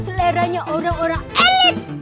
seleranya orang orang elit